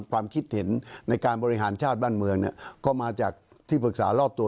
ความคิดเห็นในการบริหารชาติบ้านเมืองเนี่ยก็มาจากที่ปรึกษารอบตัว